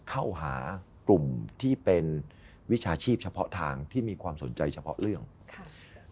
เข้าหากลุ่มที่เป็นวิชาชีพเฉพาะทางที่มีความสนใจเฉพาะเรื่องค่ะ